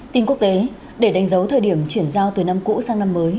tin quốc tế để đánh dấu thời điểm chuyển giao từ năm cũ sang năm mới